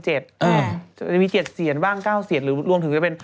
จะมี๗เสียนบ้าง๙เสียนหรือรวมถึงจะเป็น